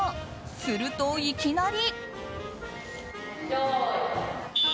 すると、いきなり。